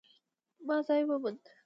ما ځای وموند